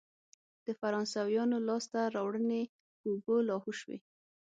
د فرانسویانو لاسته راوړنې په اوبو لاهو شوې.